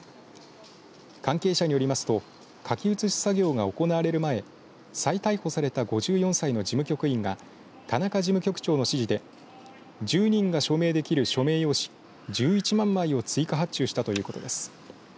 関係者によりますと書き写し作業が行われる前再逮捕された５４歳の事務局員が田中事務局長の指示で１０人が署名できる署名用紙１１万枚を追加発注したということです。